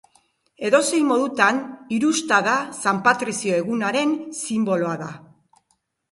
Edozein modutan, hirusta da San Patrizio Egunaren sinboloa da.